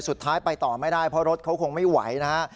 สุดท้ายไปต่อไม่ได้เพราะรถเขาคงไม่ไหวนะฮะ